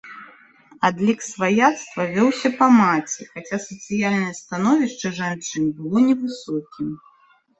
Адлік сваяцтва вёўся па маці, хаця сацыяльнае становішча жанчын было невысокім.